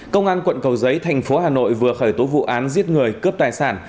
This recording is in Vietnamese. công an quận cầu giấy thành phố hà nội vừa khởi tố vụ án giết người cướp tài sản